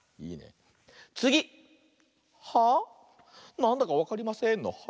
「なんだかわかりません」の「はあ？」。